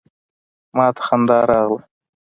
ما ته خندا راغله.